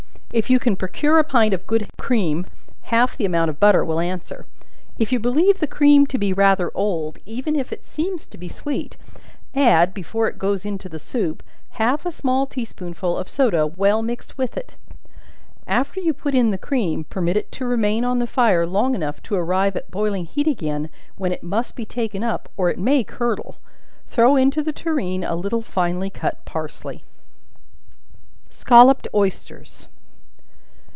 If you can procure a pint of good cream, half the amount of butter will answer, if you believe the cream to be rather old, even if it seems to be sweet, add before it goes into the soup, half a small tea spoonful of soda, well mixed with it; after you put in the cream, permit it to remain on the fire long enough to arrive at boiling heat again, when it must be taken up, or it may curdle; throw into the tureen a little finely cut parsley. Scolloped Oysters.